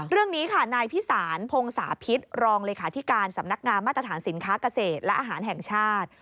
เรื่องนี้ค่ะนายพิสารพงศาพิษรองเลขาธิการสำนักงามมาตรฐานสินค้าเกษตรและอาหารแห่งชาติ